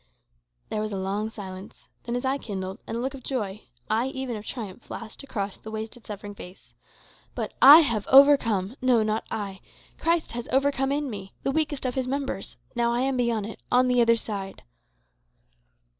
There was a long silence; then his eye kindled, and a look of joy ay, even of triumph flashed across the wasted, suffering face. "But I have overcome! No; not I. Christ has overcome in me, the weakest of his members. Now I am beyond it on the other side."